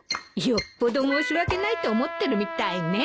よっぽど申し訳ないと思ってるみたいね。